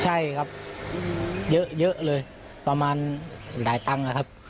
ใช่ครับอืมเยอะเยอะเลยประมาณหลายตั้งอะครับ